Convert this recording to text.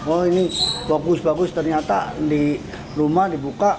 oh ini bagus bagus ternyata di rumah dibuka